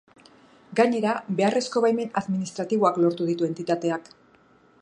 Gainera, beharrezko baimen administratiboak lortuko ditu entitateak.